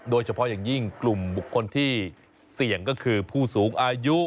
โดยเฉพาะอย่างยิ่งกลุ่มบุคคลที่เสี่ยงก็คือผู้สูงอายุ